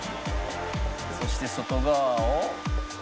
そして外側を。